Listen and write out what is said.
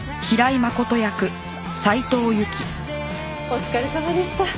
お疲れさまでした。